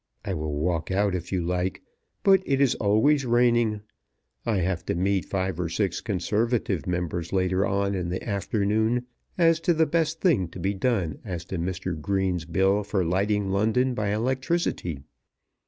I will walk out if you like, but it is always raining. I have to meet five or six conservative members later on in the afternoon as to the best thing to be done as to Mr. Green's Bill for lighting London by electricity.